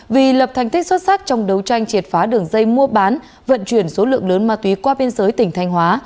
vì lập thành tích xuất sắc trong đấu tranh triệt phá đường dây mua bán vận chuyển số lượng lớn ma túy qua biên giới tỉnh thanh hóa